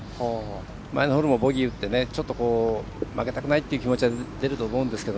前のホールもボギー打って負けたくないって気持ちも出ると思うんですけど。